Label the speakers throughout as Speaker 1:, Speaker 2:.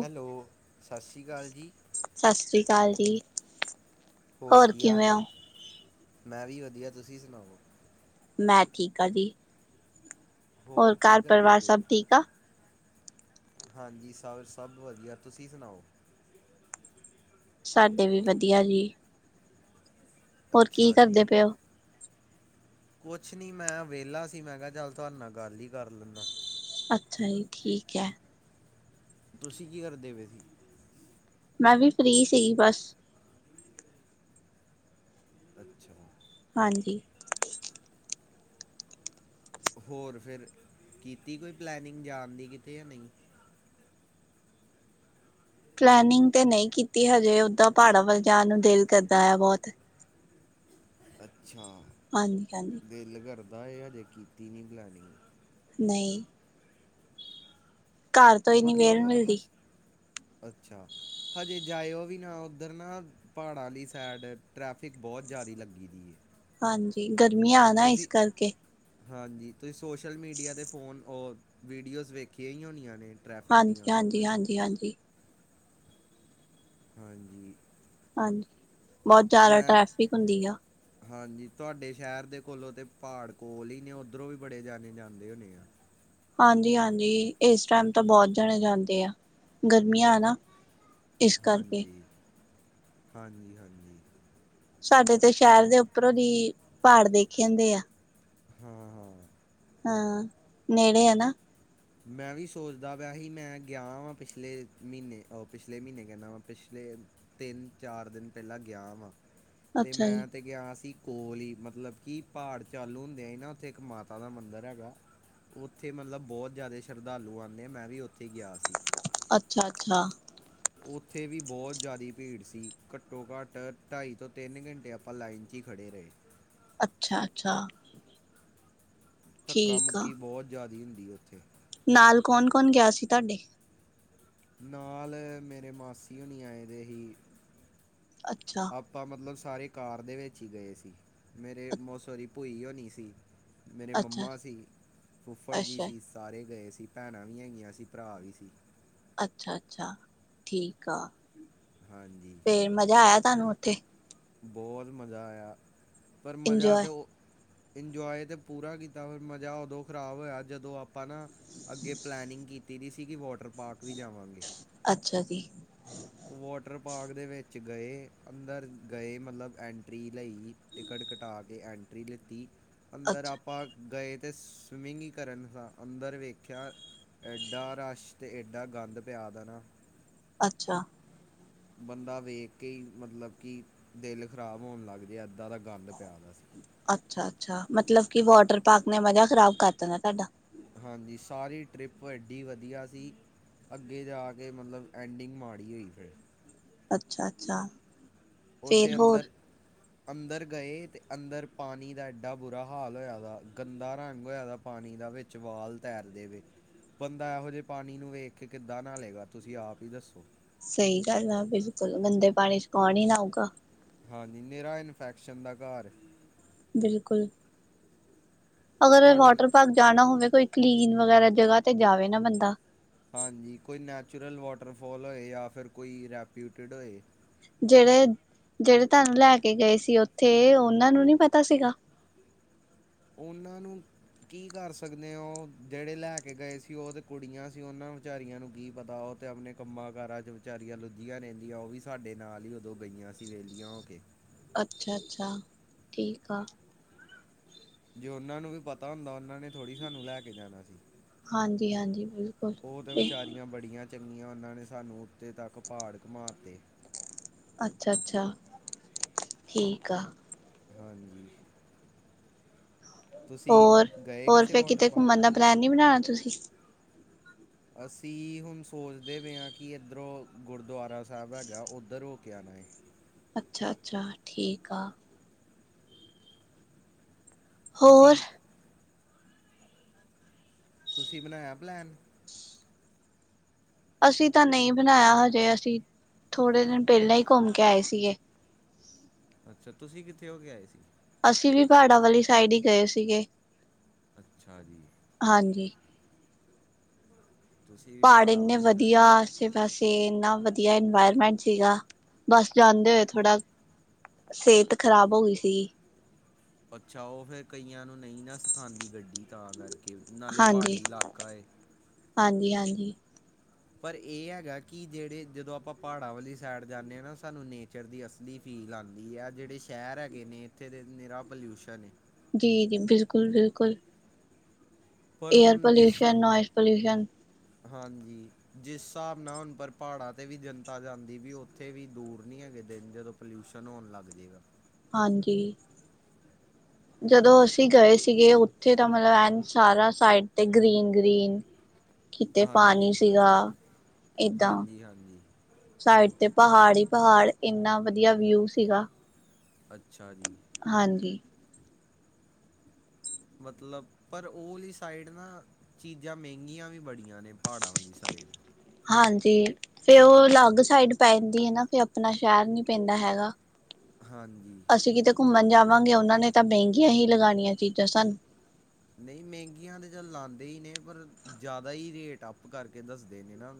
Speaker 1: Hello, ਸਤਿ ਸ਼੍ਰੀ ਅਕਾਲ ਜੀ।
Speaker 2: ਕਾਲ ਜੀ।
Speaker 1: ਹੋਰ ਕੀ ਹਾਲ
Speaker 2: ਕਿਵੇਂ
Speaker 1: ਐ,
Speaker 2: ਹੋ?
Speaker 1: ਮੈਂ ਵੀ ਵਧੀਆ ਤੁਸੀਂ ਸੁਣਾਓ?
Speaker 2: ਮੈਂ ਠੀਕ ਆ ਜੀ। ਹੋਰ
Speaker 1: ਕੀ
Speaker 2: ਘਰ
Speaker 1: ਕਰਦੇ
Speaker 2: ਪਰਿਵਾਰ
Speaker 1: ਪਏ
Speaker 2: ਸਭ
Speaker 1: ਹੋ
Speaker 2: ਠੀਕ ਆ।
Speaker 1: ਹਾਂਜੀ, ਸਭ ਸਭ ਵਧੀਆ ਤੁਸੀਂ ਸੁਣਾਓ?
Speaker 2: ਸਾਡੇ ਵੀ ਵਧੀਆ ਜੀ। ਹੋਰ ਕੀ
Speaker 1: ਅੱਛਾ ਜੀ
Speaker 2: ਕਰਦੇ ਪਏ ਉਹ।
Speaker 1: ਕੁਛ ਨੀ ਮੈਂ ਵਿਹਲਾ ਸੀ ਮੈਂ ਕਿਹਾ ਚੱਲ ਤੁਹਾਡੇ ਨਾਲ ਗੱਲ ਹੀ ਕਰ ਲੈਂਦਾ।
Speaker 2: ਅੱਛਾ ਜੀ ਠੀਕ ਹੈ।
Speaker 1: ਤੁਸੀਂ ਕੀ ਕਰਦੇ ਪਏ ਸੀ?
Speaker 2: ਮੈਂ ਵੀ ਫ੍ਰਰੀ ਸੀਗੀ ਬਸ।
Speaker 1: ਅੱਛਾ।
Speaker 2: ਹਾਂਜੀ।
Speaker 1: ਹੋਰ ਫਿਰ ਕੀਤੀ ਕੋਈ ਪਲੈਨਿੰਗ ਜਾਣ ਦੀ ਕਿਤੇ ਜਾਂ ਨਹੀਂ?
Speaker 2: ਪਲੈਨਿੰਗ ਤੇ ਨਹੀਂ ਕੀਤੀ ਹਜੇ ਓਦਾਂ ਪਹਾੜਾਂ ਵੱਲ ਜਾਣ ਨੂੰ ਦਿਲ ਕਰਦਾ ਆ ਬਹੁਤ।
Speaker 1: ਅੱਛਾ,
Speaker 2: ਹਾਂਜੀ ਹਾਂਜੀ,
Speaker 1: ਦਿਲ ਕਰਦਾ ਹੈ ਅਜੇ ਕੀਤੀ ਨਹੀਂ ਪਲੈਨਿੰਗ।
Speaker 2: ਨਹੀਂ। ਘਰ ਤੋਂ ਹੀ ਨੀ ਵੇਲ
Speaker 1: ਮਤਲਬ ਹ
Speaker 2: ਮਿਲਦੀ।
Speaker 1: ਅੱਛਾ। ਹਜੇ ਜਾਇਓ ਵੀ ਨਾ ਉੱਧਰ ਨਾ ਪਹਾੜਾਂ ਆਲੀ ਸਾਈਡ। ਟ੍ਰੈਫਿਕ ਬਹੁਤ ਜਾਦੀ ਲੱਗੀ ਦੀ ਹੈ।
Speaker 2: ਹਾਂਜੀ, ਗ਼ਰਮੀਆਂ ਆ ਨਾ
Speaker 1: ਤੁਸੀਂ
Speaker 2: ਇਸ ਕਰਕੇ
Speaker 1: ਹਾਂਜੀ, ਤੁਸੀਂ ਸੋਸ਼ਲ ਮੀਡੀਆ ਦੇ ਫੋਨ ਓ, ਵੀਡੀਓਜ਼ ਵੇਖੀਆਂ ਹੀ ਹੋਣੀਆਂ ਨੇ। ਟ੍ਰੈਫਿਕ ਦੀਆਂ
Speaker 2: ਹਾਂਜੀ- ਹਾਂਜੀ- ਹਾਂਜੀ -ਹਾਂਜੀ।
Speaker 1: ਹਾਂਜੀ।
Speaker 2: ਬਹੁਤ ਜਿਆਦਾ
Speaker 1: ਮੈਂ
Speaker 2: ਟ੍ਰੈਫਿਕ ਹੁੰਦੀ ਆ।
Speaker 1: ਹਾਂਜੀ। ਤੁਹਾਡੇ ਸ਼ਹਿਰ ਦੇ ਕੋਲੋਂ ਤੇ ਪਹਾੜ ਕੋਲ ਹੀ ਨੇ। ਉ ਓਧਰੋਂ ਵੀ ਬੜੇ ਜਾਣੇ ਜਾਂਦੇ ਹੋਣੇ ਆ।
Speaker 2: ਹਾਂਜੀ-ਹਾਂਜੀ, ਇਸ ਟਾਈਮ ਤਾਂ ਬਹੁਤ ਜਾਣੇ ਜਾਂਦੇ ਆ, ਗਰਮੀਆਂ ਹਨ ਨਾ। ਇਸ ਕਰਕੇ
Speaker 1: ਹਾਂਜੀ, ਹਾਂਜੀ-ਹਾਂਜੀ।
Speaker 2: ਸਾਡੇ ਤੇ ਸ਼ਹਿਰ ਦੇ ਉੱਪਰੋਂ ਹੀ ਪਹਾੜ ਦੇਖ ਜਾਂਦੇ ਆ।
Speaker 1: ਹੁੰ- ਹੁੰ।
Speaker 2: ਹਾਂ। ਨੇੜੇ ਹੈ ਨਾ।
Speaker 1: ਮੈਂ ਵੀ ਸੋਚਦਾ ਪਿਆ ਸੀ। ਮੈਂ ਗਿਆ ਵਾ ਪਿਛਲੇ ਮਹੀਨੇ, ਉਹ ਪਿਛਲੇ ਮਹੀਨੇ ਕਹਿੰਨਾ ਵਾ। ਪਿਛਲੇ ਤਿੰਨ -ਚਾਰ ਦਿਨ ਪਹਿਲਾਂ ਗਿਆ ਵਾ, ਤੇ
Speaker 2: ਅੱਛਾ ਜੀ
Speaker 1: ਮੈਂ ਤਾਂ ਗਿਆ ਸੀ। ਕੋਲ ਹੀ ਮਤਲਬ ਕਿ ਪਹਾੜ ਚਾਲੂ ਹੁੰਦੇ ਆ ਹੀ ਨਾ ਉੱਥੇ ਇੱਕ ਮਾਤਾ ਦਾ ਮੰਦਰਿ ਹੈਗਾ। ਉੱਥੇ ਮਤਲਬ ਬਹੁਤ ਜ਼ਿਆਦਾ ਸ਼ਰਧਾਲੂ ਆਂਦੇ ਆ। ਮੈਂ ਵੀ ਓਥ
Speaker 2: ਅੱਛਾ-ਅੱਛਾ।
Speaker 1: ਉੱਥੇ ਵੀ ਬਹੁਤ ਜ਼ਿਆਦਾ ਭੀੜ ਸੀ। ਘੱਟੋ- ਘੱਟ ਢਾਈ ਤੋਂ ਤਿੰਨ ਘੰਟੇ ਆਪਾਂ ਲਾਈਨ ਚ ਹੀ ਖੜ੍ਹੇ ਖੜੇ ਰਹੇ।
Speaker 2: ਅੱਛਾ-ਅੱਛਾ।
Speaker 1: ਧੱਕਾ-
Speaker 2: ਠੀਕ ਆ।
Speaker 1: ਮੁੱਕੀ ਬਹੁਤ ਜ਼ਿਆਦਾ ਹੁੰਦੀ। ਉੱਥੇ
Speaker 2: ਨਾਲ ਕੌਣ-ਕੌਣ ਗਿਆ ਸੀ ਤੁਹਾਡੇ?
Speaker 1: ਨਾਲ, ਮੇਰੇ ਮਾਸੀ ਹੋਣੀ ਆਏ ਦੇ ਸੀ।
Speaker 2: ਅੱਛਾ,
Speaker 1: ਆਪਾਂ ਮਤਲਬ ਸਾਰੇ ਕਾਰ ਦੇ ਵਿੱਚ ਹੀ ਗਏ ਸੀ। ਮੇਰੇ
Speaker 2: ਅੱਛਾ,
Speaker 1: ਮਸੋ ਦੀ ਭੁਈ ਹੋਨੀ ਸੀ। ਮੇਰੇ ਮੰਮਾ ਸੀ, ਫੁੱਫੜ ਜੀ
Speaker 2: ਅੱਛਾ।
Speaker 1: ਸੀ। ਸਾਰੇ ਗਏ ਸ ਅ ਭੈਣਾਂ ਵੀ ਹੈਗੀਆਂ ਸੀਂ। ਭਰਾ ਵੀ ਸੀ।
Speaker 2: ਅੱਛਾ- ਅੱਛਾ ਠੀਕ ਆ।
Speaker 1: ਹਾਂਜੀ
Speaker 2: ਫੇਰ ਮਜ਼ਾ ਆਇਆ। ਸਾਨੂੰ ਉੱਥੇ
Speaker 1: ਬਹੁਤ ਮਜ਼ਾ ਆਇਆ। ਪਰ ਮਜ਼ਾ
Speaker 2: ਇੰਜੋਏ
Speaker 1: ਤਾਂ ਉਹ ਇੰਜੋਏ ਤਾਂ ਪੂਰਾ ਕੀਤਾ। ਫਿਰ ਮਜ਼ਾ ਉਦੋਂ ਖ਼ਰਾਬ ਹੋਇਆ। ਜਦੋਂ ਆਪਾਂ ਨਾ ਅੱਗੇ ਪਲੈਨਿੰਗ ਕੀਤੀ। ਦੀ ਸੀ ਕਿ ਵਾਟਰ ਪਾਰਕ ਵੀ ਜਾਵਾਂਗੇ।
Speaker 2: ਅੱਛਾ ਜੀ
Speaker 1: ਵਾਟਰ ਪਾਰਕ ਦੇ ਵਿੱਚ ਗਏ ਅੰਦਰ ਗਏ। ਮਤਲਬ ਐਂਟਰੀ ਲਈ ਟਿਕਟ ਘਟਾ ਕੇ ਐਂਟਰੀ ਲਿੱਤੀ। ਅੰਦਰ
Speaker 2: ਅੱਛਾ,
Speaker 1: ਆਪਾਂ ਗਏ। ਅਤੇ ਸਵੀਮਿੰਗ ਹੀ ਕਰਨ ਦਾ ਅੰਦਰ ਵੇਖਿਆ ਐਡਾ ਰਸ਼ ਅਤੇ ਐਡਾ ਗੰਦ ਪਿਆ ਦਾ ਨਾ।
Speaker 2: ਅੱਛਾ।
Speaker 1: ਬੰਦਾ ਵੇਖ ਕੇ ਹੀ ਮਤਲਬ ਕਿ ਦਿਲ ਖ਼ਰਾਬ ਹੋਣ ਲੱਗ ਜਾ ਏਦਾਂ ਦਾ ਗੰਦ ਪਿਆ। ਦਾ ਸੀ
Speaker 2: ਅੱਛਾ- ਅੱਛਾ ਮਤਲਬ ਕਿ ਵਾਟਰ ਪਾਰਕ ਨੇ ਮਜਾ ਖ਼ਰਾਬ ਕਰਤਾ ਨਾ ਤੁਹਾਡਾ।
Speaker 1: ਹਾਂਜੀ। ਸਾਰੀ ਟਰਿਪ ਐਡੀ ਵਧੀਆ ਸੀ। ਅੱਗੇ ਜਾ ਕੇ ਮਤਲਬ ਐਂਡਿੰਗ ਮਾੜੀ ਹੋਈ। ਫਿਰ
Speaker 2: ਅੱਛਾ -ਅੱਛਾ
Speaker 1: ਉੱਥੇ ਅੰਦਰ ਅੰਦਰ ਗਏ ਅਤੇ ਅੰਦਰ ਪਾਣੀ ਦਾ ਐਡਾ ਬੁਰਾ ਹਾਲ ਹੋਇਆ। ਗੰਦਾ ਰੰਗ ਹੋਇਦਾ ਪਾਣੀ ਦਾ ਵਿੱਚ ਵਾਲ ਤੈਰਦੇਵੇ। ਬੰਦਾ ਇਹੋ ਜੇ ਪਾਣੀ ਨੂੰ ਵੇਖ ਕੇ ਕਿੱਦਾਂ ਨਹਾ ਲੈਗਾ। ਤੁਸੀਂ ਆਪ ਹੀ ਦੱਸੋ।
Speaker 2: ਸਹੀ ਗੱਲ ਆ ਬਿਲਕੁਲ ਗੰਦੇ ਪਾਣੀ ਚਕਾਉਣ ਹੀ ਨਹਾ ਆਊਗਾ।
Speaker 1: ਹਾਂਜੀ ਨੇੇਰਾ ਇਨਫੈਕਸ਼ਨ ਦਾ ਘਰ
Speaker 2: ਬਿਲਕੁਲ ਅਗਰ
Speaker 1: ਤੁਹਾਡੇ
Speaker 2: ਵਾਟਰ ਪਾਰਕ ਜਾਣਾ ਹੋਵੇ ਕੋਈ ਕਲੀਨ ਵਗੈਰਾ ਜਗ੍ਹਾ ਤੇ ਜਾਵੇ ਨਾ ਬੰਦਾ
Speaker 1: ਹਾਂਜੀ ਕੋਈ ਨੈਚੁਰਲ ਵਾਟਰਫਾਲ ਹੋਏ ਜਾਂ ਫਿਰ ਕੋਈ ਰੈਪਿਊਟਿਡ ਹੋਏ
Speaker 2: ਜਿਹੜੇ ਜਿਹੜੇ ਤੁਹਾਨੂੰ ਲੈ ਕੇ ਗਏ ਸੀ ਉੱਥੇ ਉਹਨਾਂ ਨੂੰ ਨੀ ਪਤਾ ਸੀਗਾ
Speaker 1: ਉਹਨਾਂ ਨੂੰ ਕੀ ਕਰ ਸਕਦੇ ਹੋ ਉਹ ਜਿਹੜੇ ਲੈ ਕੇ ਗਏ ਸੀ ਉਹ ਤੇ ਕੁੜੀਆਂ ਸੀ ਉਹਨਾਂ ਵਿਚਾਰੀਆਂ ਨੂੰ ਕੀ ਪਤਾ ਉਹ ਆਪਣੇ ਕੰਮਾਂ ਕਾਰਾਂ ਚ ਵਿਚਾਰੀਆਂ ਲੁੱਝੀਆਂ ਰਹਿੰਦੀਆਂ ਉਹ ਵੀ ਸਾਡੇ ਨਾਲ ਹੀ ਉਦੋਂ ਗਈਆਂ ਸੀ ਵਿਹਲੀਆਂ ਹੋ ਕੇ
Speaker 2: ਅੱਛਾ ਅੱਛਾ ਠੀਕ ਆ
Speaker 1: ਜੇ ਉਹਨਾਂ ਨੂੰ ਵੀ ਪਤਾ ਹੁੰਦਾ ਉਹਨਾਂ ਨੇ ਥੋੜ੍ਹੀ ਸਾਨੂੰ ਲੈ ਕੇ ਜਾਣਾ ਸੀ
Speaker 2: ਹਾਂਜੀ-ਹਾਂਜੀ ਬਿਲਕੁਲ
Speaker 1: ਉਹ ਤੇ ਵਿਚਾਰੀਆਂ ਬੜੀਆਂ ਚੰਗੀਆਂ ਉਹਨਾਂ ਨੇ ਸਾਨੂੰ ਉੱਥੇ ਤੱਕ ਪਹਾੜ ਘੁੰਮਾਤੇ
Speaker 2: ਅੱਛਾ ਅੱਛਾ ਠੀਕ ਆ
Speaker 1: ਹਾਂਜੀ ਤੁਸੀਂ
Speaker 2: ਹੋਰ
Speaker 1: ਗਏ
Speaker 2: ਹੋਰ
Speaker 1: ਕਿਸੇ
Speaker 2: ਫੇਿਰ
Speaker 1: ਵਾਟਰ
Speaker 2: ਕਿਤੇ ਘੁੰਮਣ
Speaker 1: ਪਾਰਕ
Speaker 2: ਦਾ ਪਲੈਨ ਨਹੀਂੀ ਬਣਾਉਣਾ ਤੁਸੀਂ
Speaker 1: ਅਸੀਂ ਹੁਣ ਸੋਚਦੇ ਪਏ ਹਾਂ ਕਿ ਇੱਧਰੋਂ ਗੁਰਦੁਆਰਾ ਸਾਹਿਬ ਹੈਗਾ ਉੱਧਰ ਹੋ ਕੇ ਆ ਬਏ
Speaker 2: ਅੱਛਾ ਅੱਛਾ ਠੀਕ ਆ ਹੋਰ
Speaker 1: ਤੁਸੀਂ ਤੁਸੀਂ ਬਣਾਇਆ ਪਲੈਨ
Speaker 2: ਅਸੀਂ ਤਾਂ ਨਹੀਂ ਬਣਾਇਆ ਹਜੇ ਅਸੀਂ ਥੋੜੇ ਦਿਨ ਪਹਿਲਾਂ ਹੀ ਘੁੰਮ ਕੇ ਆਏ ਸੀਗੇ
Speaker 1: ਅੱਛਾ ਤੁਸੀਂ ਕਿੱਥੇ ਹੋ ਕੇ ਆਏ ਸੀ
Speaker 2: ਅਸੀਂ ਵੀ ਪਹਾੜਾਂ ਵਾਲੀ ਸਾਈਡ ਹੀ ਗਏ ਸੀਗੇ
Speaker 1: ਅੱਛਾ ਜੀ
Speaker 2: ਹਾਂਜੀ
Speaker 1: ਤੁਸੀਂ ਵੀ
Speaker 2: ਪਹਾੜ
Speaker 1: ਪਹਾੜਾਂ
Speaker 2: ਇੰਨੇ
Speaker 1: ਵਾਲੀ
Speaker 2: ਵਧੀਆ
Speaker 1: ਸਾਈਡ
Speaker 2: ਆਸੇ ਪਾੈਸੇ ਇੰਨਾ ਵ ਵਧੀਆ ਇਨਵਾਇਰਮੈਂਟ ਸੀਗਾ ਬਸ ਜਾਂਦੇ ਹੋਏ ਥੋੜਾ ਸਿਹਤ ਖਰਾਬ ਹੋ ਗਈ ਸੀਗੀ
Speaker 1: ਅੱਛਾ ਉਹ ਫੇਰ ਕਈਆਂ ਨੂੰ ਨਹੀਂ ਨਾ ਸਿਖਾਉਂਦੀ ਗੱਡੀ ਤਾਂ ਕਰਕੇ ਕਿ ਨਾਲੇ ਪਹਾੜੀ
Speaker 2: ਹਾਂਜੀ।
Speaker 1: ਇਲਾਕਾ
Speaker 2: ਹਾਂਜੀ ਹਾਂਜੀ
Speaker 1: ਪਰ ਇਹ ਹੈਗਾ ਕਿ ਜਿਹੜੇ ਜਦੋਂ ਆਪਾਂ ਪਾੜਾਂ ਵਾਲੀ ਸੇਡ ਜਾਂਨੇ ਹਾਂ ਨਾ ਸਾਨੂੰ ਨੇਚਰ ਦੀ ਅਸਲੀ ਫੀ ਲਿੰਗ ਆਉਂਦੀ ਆ ਜਿਹੜੇ ਸ਼ਹਿਰ ਹੈਗੇ ਨੇ ਇੱਥੇ ਦੇ ਨਿਰਾ ਪੋਲਿਊਸ਼ਨ ਹੈ
Speaker 2: ਜੀ ਜੀ ਬਿਲਕੁਲ ਬਿਲਕੁਲ
Speaker 1: ਪਰ
Speaker 2: ਏਅਰ
Speaker 1: ਹੁਣ ਜਿਸ ਹਿਸਾ-
Speaker 2: ਪੋਲਿਊਸ਼ਨ ਨੋਇਜ਼ ਪੋਲਿਊਸ਼ਨ
Speaker 1: ਹਾਂਜੀ ਜਿਸ ਸਾਬ ਨਾਲ ਹੁਣ ਪਰ ਪਾੜਾਂ ਤੇ ਵੀ ਜਨਤਾ ਜਾਂਦੀ ਵੀ ਉੱਥੇ ਵੀ ਦੂਰ ਨੀ ਹੈਗੇ ਦਿਨ ਜਦੋਂ ਪੋਲਿਊਸ਼ਨ ਹੋਣ ਲੱਗ ਜੇਗਾ
Speaker 2: ਹਾਂਜੀ
Speaker 1: [inaudible]
Speaker 2: ਜਦੋਂ ਅਸੀਂ ਗਏ ਸੀਗੇ ਉੱਥੇ ਤਾਂ ਮਤਲਬ ਐਨ ਸਾਰਾ ਸਾਈਡ ਤੇ ਗ੍ਰੀਨ ਗ੍ਰੀਨ ਕਿਤੇ ਪਾਣੀ
Speaker 1: ਹਾਂਜੀ
Speaker 2: ਸੀਗਾ ਏਦਾਂ
Speaker 1: ਹਾਂਜੀ ਹਾਂਜੀ
Speaker 2: ਸਾਈਡ ਤੇ ਪਹਾੜ ਹੀ ਪਹਾੜ ਇੰਨਾ ਵਧੀਆ ਵਿਊ ਸੀਗਾ
Speaker 1: ਅੱਛਾ ਜੀ
Speaker 2: ਹਾਂਜੀ
Speaker 1: ਮਤਲਬ ਪਰ ਉਹ ਵਾਲੀ ਸਾਈਡ ਨਾ ਚੀਜ਼ਾਂ ਮਹਿੰਗੀਆਂ ਵੀ ਬੜੀਆਂ ਨੇ ਪਹਾੜਾਂ ਵਾਲੀ ਸਾਈਡ
Speaker 2: ਹਾਂਜੀ ਫੇ ਉਹ ਅਲੱਗ ਸਾਈਡ ਪੈਂਦੀ ਹੈ ਨਾ ਫੇ ਆਪਣਾ ਸ਼ਹਿਰ ਨੀ ਪੈਂਦਾ ਹੈਗਾ
Speaker 1: ਹਾਂਜੀ
Speaker 2: ਅਸੀਂ ਕਿਤੇ ਘੁੰਮਣ ਜਾ ਵਾਂਗੇ ਉਹਨਾਂ ਨੇ ਤਾਂ ਮਹਿੰਗੀਆਂ ਹੀ ਲਗਾਣੀਆਂ ਚੀਜ਼ਾਂ ਸਾਨੂੰ
Speaker 1: ਨਹੀਂ ਮਹਿੰਗੀਆਂ ਤੇ ਚਲ ਲਾਦੇ ਹੀ ਨੇ ਪਰ ਜ਼ਿਆਦਾ ਹੀ ਰੇਟ ਅੱਪ ਕਰਕੇ ਦੱਸਦੇ ਨੇ ਨਾ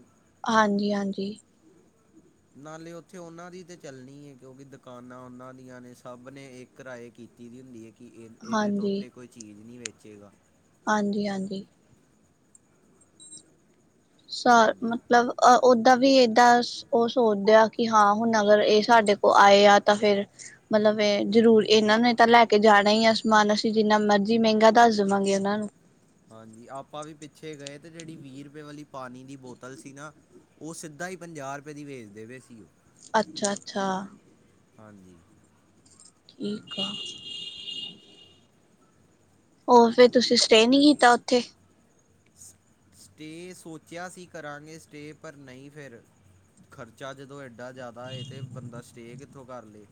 Speaker 2: ਹਾਂਜੀ ਹਾਂਜੀ
Speaker 1: ਨਾਲੇ ਉੱਥੇ ਉਹਨਾਂ ਦੀ ਤੇ ਚੱਲਣੀ ਹੈ ਕਿਉਂਕਿ ਦਕਾਨਾਂ ਉਹਨਾਂ ਦੀਆਂ ਨੇ ਸਭ ਨੇ ਇੱਕ ਰਾਏ ਕਿ ਤੀ ਦੀ ਹੁੰਦੀ ਹੈ ਕਿ ਇਹ ਇਹਦੇ ਤੋਂ
Speaker 2: ਹਾਂਜੀ
Speaker 1: ਉੱਤੇ ਕੋਈ ਚੀਜ਼ ਨਹੀਂ ਵੇਚੇਗਾ
Speaker 2: ਹਾਂਜੀ ਹਾਂਜੀ ਸਾ
Speaker 1: ਹਾਂਜੀ
Speaker 2: ਮਤਲਬ ਅ ਓਦਾਂ ਵੀ ਏਦਾਂ ਸ ਉਹ ਸੋਚਦੇ ਆ ਕਿ ਹਾਂ ਹੁਣ ਅਗਰ ਇਹ ਸਾਡੇ ਕੋਲ ਆਏ ਆ ਤਾਂ ਫੇਿਰ ਮਤਲਬ [unintelligible] ਜਰੂਰ ਇਹਨਾਂ ਨੇ ਤਾਂ ਲੈ ਕੇ ਜਾਣਾ ਹੀ ਆ ਸਮਾਨ ਅਸੀਂ ਜਿੰਨਾ ਮਰਜੀ ਮਹਿੰਗਾ ਦੱਸ ਦਵਾਂਗੇ ਉਹਨਾਂ ਨੂੰ
Speaker 1: ਹਾਂਜੀ ਆਪਾਂ ਵੀ ਪਿੱਛੇ ਗਏ ਤੇ ਜਿਹੜੀ ਵੀ ਰਪੇ ਵਾਲੀ ਪਾਣੀ ਦੀ ਬੋਤਲ ਸੀ ਨਾ ਉਹ ਸਿੱਧਾ ਹੀ ਪੰਜਾਹ ਰਪੇ ਦੀ ਵੇਚਦੇ ਪੇ ਸੀ ਉਹ
Speaker 2: ਅੱਛਾ ਅੱਛਾ
Speaker 1: ਹਾਂਜੀ
Speaker 2: ਠੀਕ ਆ ਹੋਰ ਫੇਰ ਤੁਸੀਂ ਸਟੇ ਨੀ ਕੀਤਾ ਉੱਥੇ
Speaker 1: ਸਟੇ ਸੋਚਿਆ ਸੀ ਕਰਾਂਗੇ ਸਟੇ ਪਰ ਨਹੀਂ ਫਿਰ ਖਰਚਾ ਜਦੋਂ ਏਡਾ ਜ਼ਿਆਦਾ ਏ ਤੇ ਬੰਦਾ ਸਟੇ ਕਿੱਥੋਂ ਕਾਰ ਲੇ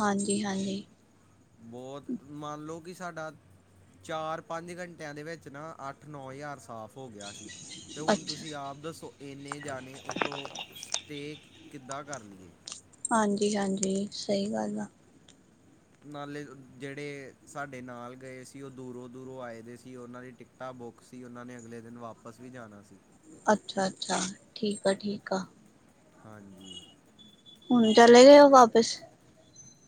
Speaker 2: ਹਾਂਜੀ ਹਾਂਜੀ
Speaker 1: ਬਹੁਤ ਮੰਨ ਲੋ ਕਿ ਸਾਡਾ ਚਾਰ ਪੰਜ ਘੰਟਿਆਂ ਦੇ ਵਿੱਚ ਨਾ ਅੱਠ ਨੌ ਯਾਰ ਸਾਫ਼ ਹੋ ਗਿਆ ਸੀ ਤੇ ਹੁਣ
Speaker 2: ਅੱਛਾ
Speaker 1: ਤੁਸੀਂ ਆਪ ਦੱਸੋ ਇੰਨੇ ਜਾਣੇ ਉੱਤੋਂ ਸਟੇ ਕਿੱਦਾਂ ਕਰ ਲਈਏ
Speaker 2: ਹਾਂਜੀ ਹਾਂਜੀ ਸਹੀ ਗੱਲ ਆ
Speaker 1: ਨਾਲੇ ਜਿਹੜੇ ਸਾਡੇ ਨਾਲ ਗਏ ਸੀ ਉਹ ਦੂਰੋਂ ਦੂਰੋਂ ਆਏ ਦੇ ਸੀ ਉਹਨਾਂ ਦੀ ਟਿਕਟਾਂ ਬੁੱਕ ਸੀ ਉਹਨਾਂ ਨੇ ਅਗਲੇ ਦਿਨ ਵਾਪਸ ਵੀ ਜਾਣਾ ਸੀ
Speaker 2: ਅੱਛਾ ਅੱਛਾ ਠੀਕ ਆ ਠੀਕ ਆ
Speaker 1: ਹਾਂਜੀ
Speaker 2: ਹੁਣ ਚਲੇ ਗਏ ਓਹ ਵਾਪਿਸ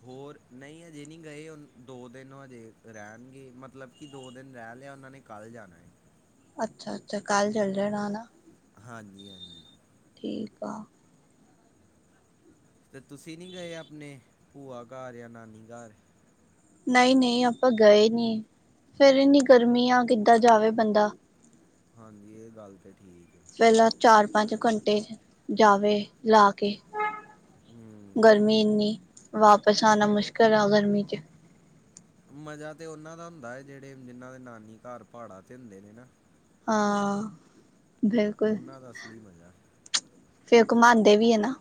Speaker 1: ਹੋਰ ਨਹੀਂ ਹਜੇ ਨਹੀਂ ਗਏ [unintelligible] ਦੋ ਦਿਨ ਹਜੇ ਰਹਿਣਗੇ ਮਤਲਬ ਕਿ ਦੋ ਦਿਨ ਰਹਿਣ ਹਲੇ ਉਹਨਾਂ ਨੇ ਕੱਲ ਜਾਣਾ ਹੈ
Speaker 2: ਅੱਛਾ ਅੱਛਾ ਕੱਲ ਚੱਲ ਜਾਣਾ ਨਾ
Speaker 1: ਹਾਂਜੀ ਹਾਂਜੀ
Speaker 2: ਠੀਕ ਆ
Speaker 1: ਤੇ ਤੁਸੀਂ ਨਹੀਂ ਗਏ ਆਪਣੇ ਭੂਆ ਘਰ ਯਾਂ ਨਾਨੀ ਘਰ
Speaker 2: ਨਹੀਂ ਨਹੀਂ ਆਪਾਂ ਗਏ ਨੀ ਫੇਰ ਇਨੀ ਗਰਮੀ ਆ ਕਿੱਦਾਂ ਜਾਵੇ ਬੰਦਾ
Speaker 1: ਹਾਂਜੀ ਇਹ ਗੱਲ ਤੇ ਠੀਕ ਹੈ
Speaker 2: ਪਹਿਲਾਂ ਚਾਰ ਪੰਜ ਘੰਟੇ ਜਾਵੇ ਲਾ ਕੇ
Speaker 1: ਹੂੰ
Speaker 2: ਗਰਮੀ ਇੰਨੀ ਵਾਪਸ ਆਉਣਾ ਮੁਸ਼ਕਿਲ ਆ ਗਰਮੀ ਚ
Speaker 1: ਮਜ਼ਾ ਤੇ ਉਹਨਾਂ ਦਾ ਹੁੰਦਾ ਹੈ ਜਿਹੜੇ ਜਿਹਨਾਂ ਦੇ ਨਾਨੀ ਘਰ ਪਹਾੜਾ ਤੇ ਹੁੰਦੇ ਨੇ ਨਾ
Speaker 2: ਹਾਂ ਬਿਲਕੁਲ
Speaker 1: ਉਹਨਾਂ ਦਾ ਅਸਲੀ ਮਜ਼ਾ
Speaker 2: ਫੇਰ ਉਹ ਘੁਮਾਉਂਦੇ ਵੀ ਹੈ ਨਾ।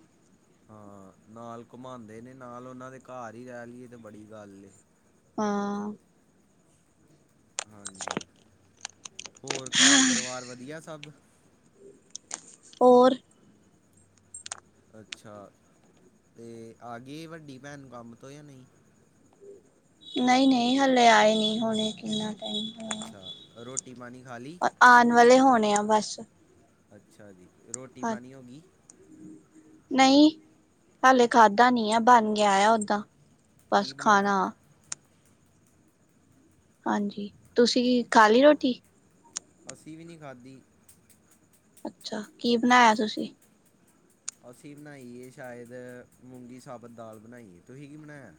Speaker 1: ਹਾਂ ਨਾਲ ਘੁਮਾਉਂਦੇ ਨੇ ਨਾਲ ਉਹਨਾਂ ਦੇ ਘਰ ਹੀ ਰਹਿ ਲਈਏ ਤੇ ਬੜੀ ਗੱਲ
Speaker 2: ਹਾਂ ਅ।
Speaker 1: ਹਾਂਜੀ ਹੋਰ ਘਰ ਪਰਿਵਾਰ ਵਧੀਆ ਸਭ
Speaker 2: ਹੋਰ।
Speaker 1: ਅੱਛਾ ਤੇ ਆ ਗਏ ਵੱਡੀ ਭੈਣ ਕੰਮ ਤੋਂ ਜਾਂ ਨਹੀਂ।
Speaker 2: ਨਹੀਂ ਨਹੀਂ ਹਲੇੇ ਆਏ ਨਹੀਂ ਹੋਣੇ ਕਿੰਨਾ
Speaker 1: ਅੱਛਾ ਰੋਟੀ ਪਾਣੀ ਖਾ ਲਈ
Speaker 2: ਆਉਣ ਵਾਲੇ ਹੋਣੇ ਆ ਬਸ
Speaker 1: ਅੱਛਾ ਜੀ ਰੋਟੀ
Speaker 2: ਹਾਂ
Speaker 1: ਪਾਣੀ ਹੋ ਗਈ
Speaker 2: ਨਹੀਂ ਹਾਲੇ ਖਾਧਾ ਨ ਆ ਬਣ ਗਿਆ ਆ ਓਦਾਂ।
Speaker 1: ਕੀ
Speaker 2: ਬਸ
Speaker 1: ਬਣਾਇਆ
Speaker 2: ਖਾਣਾ ਹਾਂਜੀ ਤੁਸੀਂ ਖਾ ਲਈ ਰੋਟੀ।
Speaker 1: ਅਸੀਂ ਵੀ ਨਹੀਂ ਖਾਧੀ
Speaker 2: ਅੱਛਾ ਕੀ ਬਣਾਇਆ ਤੁਸੀਂ।
Speaker 1: ਅਸੀਂ ਬਣਾਈਏ ਸ਼ਾਇਦ ਮੁੂੰਗੀ ਸਾਬਤ ਦਾਲ ਬਣਾਈ ਐ ਤੁਸੀਂ ਕੀ ਬਣਾਇਆ।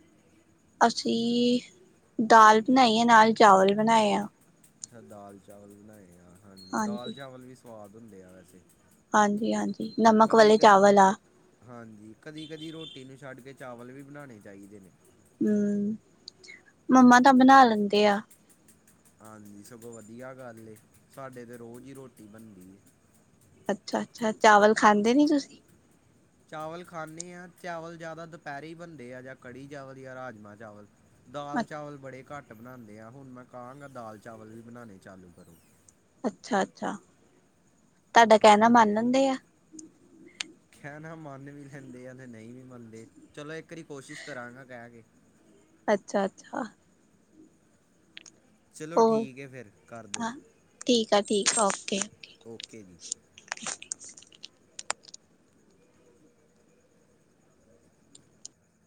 Speaker 2: ਅਸੀਂ ਦਾਲ ਬਣਾਈ ਆ ਨਾਲ ਚਾਵਲ ਬਣਾਏ ਆ
Speaker 1: ਅੱਛਾ ਦਾਲ ਚਾਵਲ ਬਣਾਏ ਆ, ਹਾਂਜੀ ਦਾਲ ਚਾਵਲ ਵੀ ਸਵਾਦ ਹੁੰਦੇ ਆ ਵੈਸੇ।
Speaker 2: ਹਾਂਜੀ ਹਾਂਜੀ ਨਮਕ ਵਾਲੇ
Speaker 1: ਕਦੀ-ਕਦੀ,
Speaker 2: ਚਾਵਲ ਆ
Speaker 1: ਹਾਂਜੀ ਕਦੀ-ਕਦੀ ਰੋਟੀ ਨੂੰ ਛੱਡ ਕੇ ਚਾਵਲ ਵੀ ਬਣਾਣੇ ਚਾਹੀਦੇ ਨੇ।
Speaker 2: ਹੂੰ, ਮੰਮਾ ਤਾਂ ਬਣਾ ਲੈਂਦੇ ਆ
Speaker 1: ਹਾਂਜੀ, ਸਗੋਂ ਵਧੀਆ ਗੱਲ ਏ ਸਾਡੇ ਤੇ ਰੋਜ਼ ਈ ਰੋਟੀ ਬਣਦੀ।
Speaker 2: ਅੱਛਾ-ਅੱਛਾ, ਚਾਵਲ ਖਾਂਦੇ ਨੀ ਤੁਸੀਂ
Speaker 1: ਚਾਵਲ ਖਾਣੇ ਆ ਚਾਵਲ ਜ਼ਿਆਦਾ ਦੁਪਹਿਰੇ ਹੀ ਬਣਦੇ ਆ ਜਾਂ ਕੜੀ ਚਾਵਲ ਜਾਂ ਰਾਜਮਾਂ ਚਾਵਲ। ਦਾਲ ਚਾਵਲ ਬੜੇ ਘੱਟ ਬਣਾਂਦੇ ਆ ਹੁਣ ਮੈਂ ਕਹਾਂਗਾ ਦਾਲ ਚਾਵਲ ਵੀ ਬਣਾਣੇ ਚਾਲੂ ਕਰੋ।
Speaker 2: ਅੱਛਾ-ਅੱਛਾ, ਤੁਹਾਡਾ ਕਹਿਣਾ
Speaker 1: ਹਾਂਜੀ
Speaker 2: ਮੰਨ ਲੈਂਦੇ ਆ।
Speaker 1: ਕਹਿਣਾ ਮੰਨ ਵੀ ਲੈਂਦੇ ਆ ਤੇ ਨਹੀਂ ਵੀ ਮੰਨਦੇ ਚਲੋ ਇੱਕ ਵਾਰੀ ਕੋਸ਼ਿਸ਼ ਕਰਾਂਗਾ ਕਹਿ ਕੇ!
Speaker 2: ਅੱਛਾ ਅੱਛਾ!
Speaker 1: ਚਲੋ
Speaker 2: ਹੋਰ
Speaker 1: ਠੀਕ ਐ ਫਿਰ ਕਰਦੋ।
Speaker 2: ਹਾਂ, ਠੀਕ ਆ, ਠੀਕ ਆ ਓਕੇ ਓਕੇ।
Speaker 1: ਜੀ